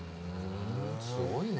すごいね。